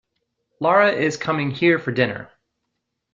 Lara is coming here for dinner.